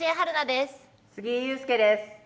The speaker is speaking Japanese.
杉井勇介です。